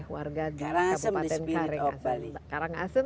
warga kabupaten karangasem